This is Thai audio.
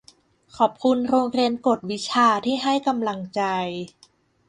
ขอบคุณโรงเรียนกวดวิชาที่ให้กำลังใจ